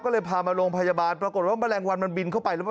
ก็เลยพามาโรงพยาบาลปรากฏว่าแมลงวันมันบินเข้าไปหรือเปล่า